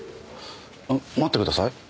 待ってください。